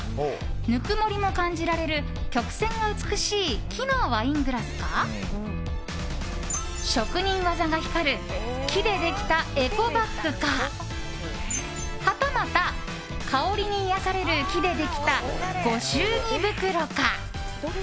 ぬくもりも感じられる曲線が美しい木のワイングラスか職人技が光る木でできたエコバッグかはたまた、香りに癒やされる木でできたご祝儀袋か。